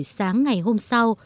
để buổi sáng ngày hôm sau